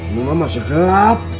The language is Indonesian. ini lama sedap